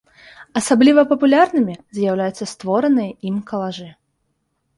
Асабліва папулярнымі з'яўляюцца створаныя ім калажы.